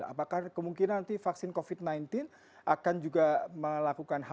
apakah kemungkinan nanti vaksin covid sembilan belas akan juga melakukan hal